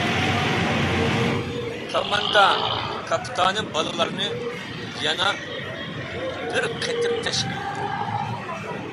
كاماندا كاپىتانى بالىلارنى يەنە بىر قېتىپ تەشكىللىدى.